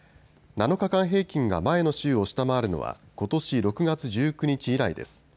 ７日間平均が前の週を下回るのはことし６月１９日以来です。